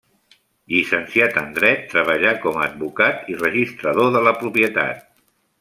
Llicenciat en dret, treballà com a advocat i registrador de la propietat.